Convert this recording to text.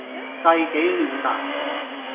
世紀暖男